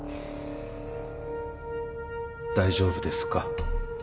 大丈夫ですか？